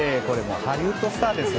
ハリウッドスターですよ。